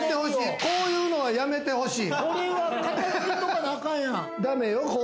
こういうのはやめて欲しい。